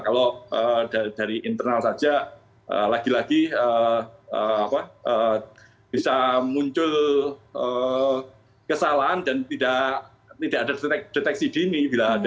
kalau dari internal saja lagi lagi bisa muncul kesalahan dan tidak ada deteksi dini